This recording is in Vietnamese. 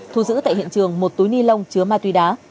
thu giữ tại hiện trường một túi ni lông chứa ma túy đá